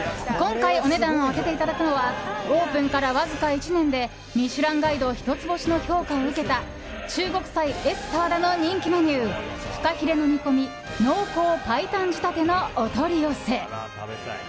今回お値段を当てていただくのはオープンからわずか１年で「ミシュランガイド」一つ星の評価を受けた中国菜エスサワダの人気メニューフカヒレの煮込み濃厚白湯仕立てのお取り寄せ。